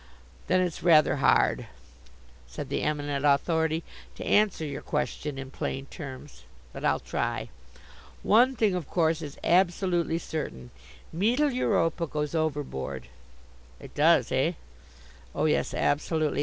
"Then it's rather hard," said the Eminent Authority, "to answer your question in plain terms. But I'll try. One thing, of course, is absolutely certain, Mittel Europa goes overboard." "It does, eh?" "Oh, yes, absolutely.